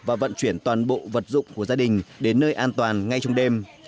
và vận chuyển toàn bộ vật dụng của gia đình đến nơi an toàn ngay trong đêm